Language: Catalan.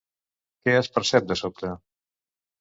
Què es percep de sobte?